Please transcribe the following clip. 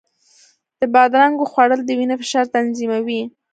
د بادرنګو خوړل د وینې فشار تنظیموي.